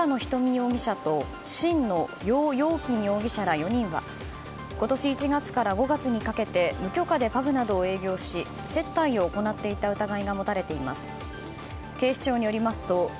容疑者と沁のヨウ・ヨウキン容疑者ら４人は今年１月から５月にかけて無許可でパブなどを営業し接待などを行っていた疑いが持たれています。